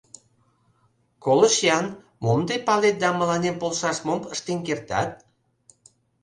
— Колышт-ян, мом тый палет да мыланем полшаш мом ыштен кертат?